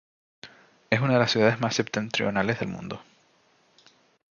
Es una de las ciudades más septentrionales del mundo.